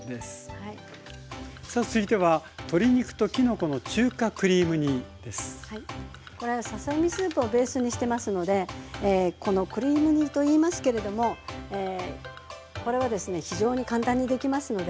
さあ続いてはこれはささ身スープをベースにしてますのでこのクリーム煮といいますけれどもこれはですね非常に簡単にできますので。